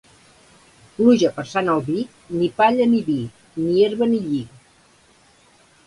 Pluja per Sant Albí, ni palla ni vi, ni herba ni lli.